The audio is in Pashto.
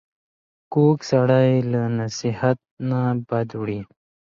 کوږ سړی له نصیحت نه بد وړي